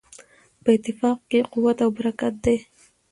په اتفاق کې قوت او برکت دی.